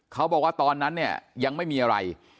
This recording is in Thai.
เขาบอกว่าตอนนั้นเนี่ยยังไม่มีอะไร